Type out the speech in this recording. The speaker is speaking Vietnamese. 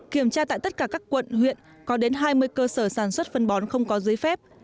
kiểm tra tại tất cả các quận huyện có đến hai mươi cơ sở sản xuất phân bón không có giấy phép